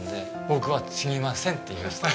「僕は継ぎません」って言いました。